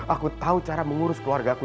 aku tahu cara mengurus keluarga ku